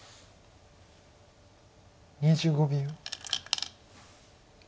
２５秒。